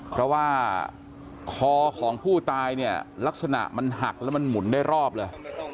เพราะว่าคอของผู้ตายเนี่ยลักษณะมันหักแล้วมันหมุนได้รอบเลย